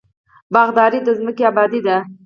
باغداري د ځمکې ابادي ده.